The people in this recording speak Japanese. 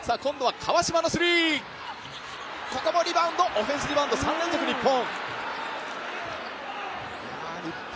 オフェンスリバウンド、３連続日本。